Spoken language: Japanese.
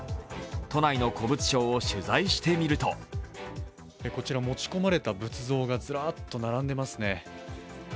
都内の古物商を取材してみるとこちら、持ち込まれた仏像がずらっと並んでますね。